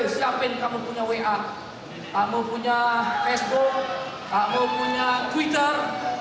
siapin kamu punya wa kamu punya facebook kamu punya twitter